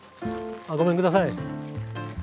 ごめんください。